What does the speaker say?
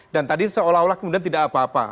dan tadi seolah olah kemudian tidak apa apa